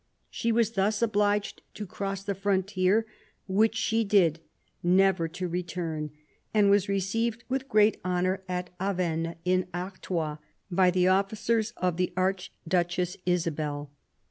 She was thus ibliged to cross the frontier, which she did, never to eturn; and was received with great honour at Avesnes n Artois, by the officers of the Archduchess Isabel.